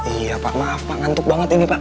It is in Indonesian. iya pak maaf pak ngantuk banget ini pak